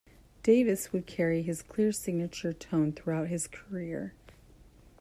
Davis would carry his clear signature tone throughout his career.